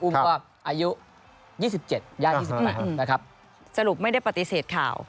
อุ้มก็อายุยี่สิบเจ็ดย่ายยี่สิบแปดนะครับสรุปไม่ได้ปฏิเสธข่าว